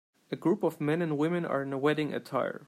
A group of men and women are in wedding attire.